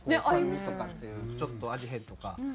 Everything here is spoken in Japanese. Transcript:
酸味とかっていうちょっと味変とか。